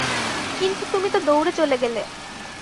কিন্তু তুমি তো দৌড়ে চলে গেলে।